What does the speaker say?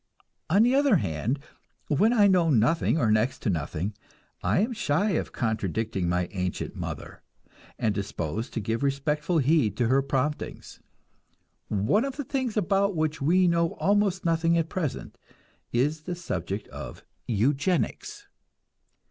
On the other hand, when I know nothing or next to nothing, I am shy of contradicting my ancient mother, and disposed to give respectful heed to her promptings. One of the things about which we know almost nothing at present is the subject of eugenics.